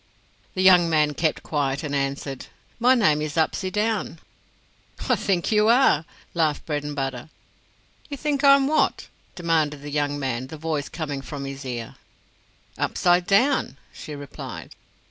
The young man kept quiet and answered: "My name is Upsydoun." "I think you are," laughed Bredenbutta. "You think I am what?" demanded the young man, the voice coming from his ear. "Up side down," she replied.